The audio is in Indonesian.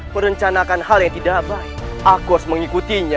merencanakan hal yang tidak baik aku harus mengikutinya